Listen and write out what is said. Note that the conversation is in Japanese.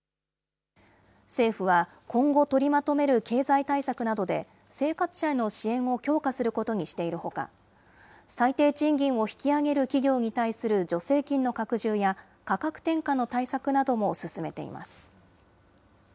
政府は今後取りまとめる経済対策などで、生活者への支援を強化することにしているほか、最低賃金を引き上げる企業に対する助成金の拡充や、価格転嫁の対策なども進めています。